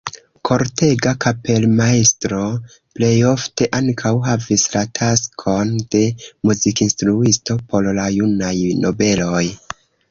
Kortega kapelmajstro plejofte ankaŭ havis la taskon de muzikinstruisto por la junaj nobeloj.